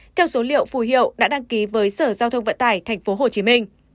theo số liệu phù hiệu đã đăng ký với sở giao thông vận tải tp hcm